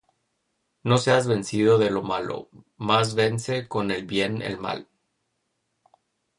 No seas vencido de lo malo; mas vence con el bien el mal.